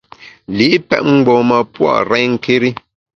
Li’ pèt mgbom-a pua’ renké́ri.